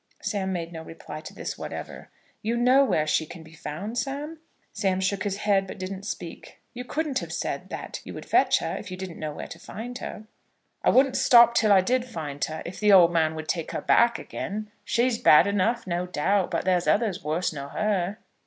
Sam made no reply to this whatever. "You know where she can be found, Sam?" Sam shook his head, but didn't speak. "You couldn't have said that you would fetch her, if you didn't know where to find her." "I wouldn't stop till I did find her, if the old man would take her back again. She's bad enough, no doubt, but there's others worse nor her."